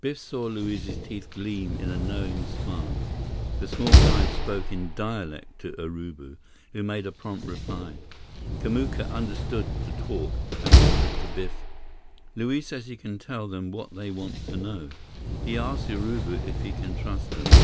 Biff saw Luiz's teeth gleam in a knowing smile. The small guide spoke in dialect to Urubu, who made a prompt reply. Kamuka understood the talk and whispered to Biff: "Luiz says he can tell them what they want to know. He asks Urubu if he can trust them.